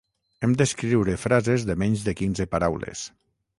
Hem d'escriure frases de menys de quinze paraules